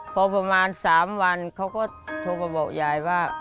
พอประมาณ๓วันเขาก็โทรมาบอกยายว่า